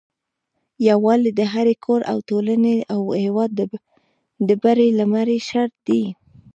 يوالي د هري کور او ټولني او هيواد د بری لمړي شرط دي